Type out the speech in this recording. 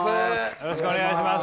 よろしくお願いします。